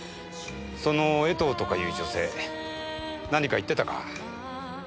その江藤とかいう女性何か言ってたか？